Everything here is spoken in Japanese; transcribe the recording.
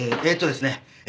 ええーとですね